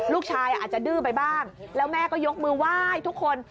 ลูกชายอาจจะดื้อไปบ้างแล้วแม่ก็ยกมือไหว้ทุกคน